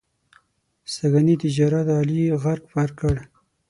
سږني تجارت علي غرق پرق کړ.